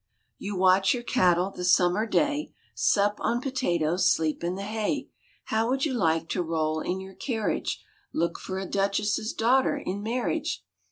You watch your cattle the summer day, Sup on potatoes, sleep in the hay; How would you like to roll in your carriage, Look for a duchess's daughter in marriage?